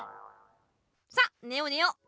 さっねようねよう！